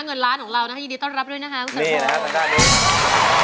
เงินล้านของเรานะฮะยินดีต้อนรับด้วยนะฮะนี่นะฮะสัปดาห์นี้